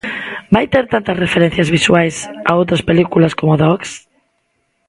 Vai ter tantas referencias visuais a outras películas como Dhogs?